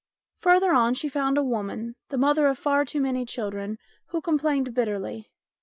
Further on she found a woman, the mother of far too many children, who complained bitterly.